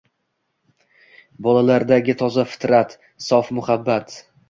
Bolalardagi toza fitrat, sof muhabbat!